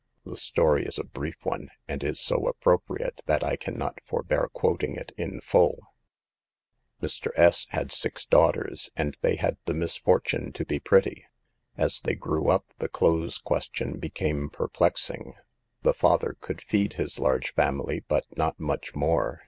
The story is a brief one, and is so appropriate that I can not forbear quoting it in full :« Mr. S. had six daughters, and they had the misfortune to be pretty. As they grew up the clothes question became perplexing. The father could feed his large family, but not much more.